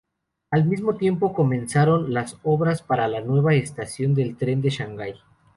Al mismo tiempo comenzaron las obras para la nueva estación de tren de Shanghai.